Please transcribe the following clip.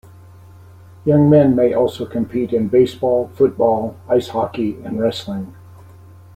Young men may also compete in baseball, football, Ice Hockey, and wrestling.